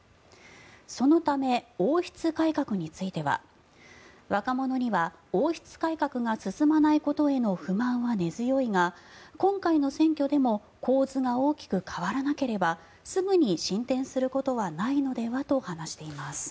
そのため、王室改革については若者には王室改革が進まないことへの不満は根強いが今回の選挙でも構図が大きく変わらなければすぐに進展することはないのではと話しています。